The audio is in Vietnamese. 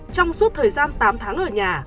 trong suốt thời gian tám tháng ở nhà